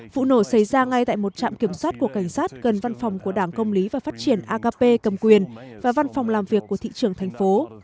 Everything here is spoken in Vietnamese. vụ nổ xảy ra ngay tại một trạm kiểm soát của cảnh sát gần văn phòng của đảng công lý và phát triển akp cầm quyền và văn phòng làm việc của thị trưởng thành phố